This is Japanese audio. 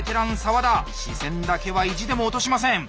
視線だけは意地でも落としません！